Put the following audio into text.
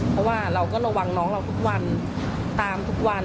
เพราะว่าเราก็ระวังน้องเราทุกวันตามทุกวัน